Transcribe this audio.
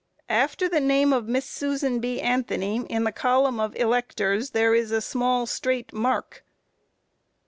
After the name of Miss Susan B. Anthony in the column of electors there is a small, straight mark.